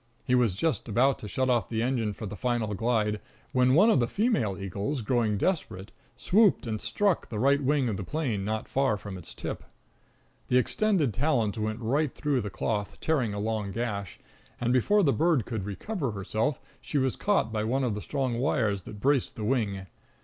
He was just about to shut off the engine for the final glide, when one of the female eagles, growing desperate, swooped and struck the right wing of the plane not far from its tip. The extended talons went right through the cloth, tearing a long gash, and, before the bird could recover herself, she was caught by one of the strong wires that braced the wing.